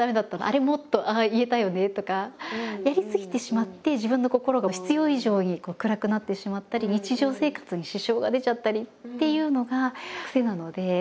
あれもっとああ言えたよねとかやりすぎてしまって自分の心が必要以上に暗くなってしまったり日常生活に支障が出ちゃったりっていうのが癖なので。